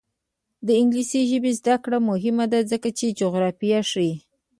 د انګلیسي ژبې زده کړه مهمه ده ځکه چې جغرافیه ښيي.